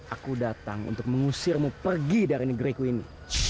aku datang untuk mengusirmu pergi dari negeriku ini